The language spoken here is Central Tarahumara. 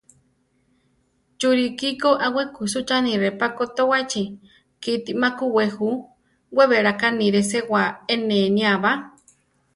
Churikí ko a we kusucháni reʼpá kotowáchi, kiti ma kuwé ju; we bela kaniire sewá eʼnenía ba.